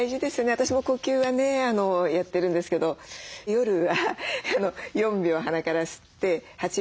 私も呼吸はねやってるんですけど夜は４秒鼻から吸って８秒吐いて。